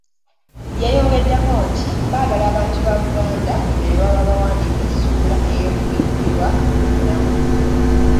Yayongeddeko nti baagala abantu ba Buganda be baba bawandiika essuula y'okubikkulirwa yonna.